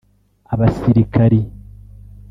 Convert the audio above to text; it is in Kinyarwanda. abasirikari